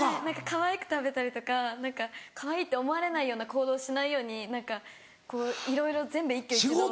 かわいく食べたりとかかわいいって思われないような行動しないようにこういろいろ全部一挙一動。